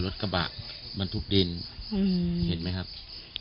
ที่มีข่าวเรื่องน้องหายตัว